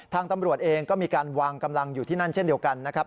ทางตำรวจเองก็มีการวางกำลังอยู่ที่นั่นเช่นเดียวกันนะครับ